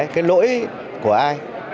cái lỗi của ai